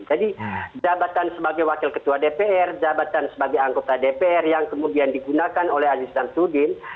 jadi jabatan sebagai wakil ketua dpr jabatan sebagai anggota dpr yang kemudian digunakan oleh haji samsudin